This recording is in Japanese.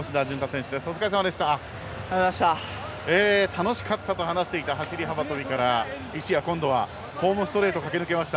楽しかったと話していた走り幅跳びから一夜、今度はホームストレートを駆け抜けました。